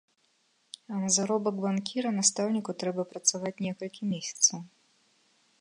А на заробак банкіра настаўніку трэба працаваць некалькі месяцаў.